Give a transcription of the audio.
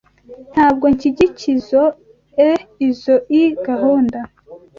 Ntabwo nshyigikizoe izoi gahunda.